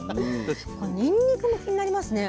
にんにくも気になりますね。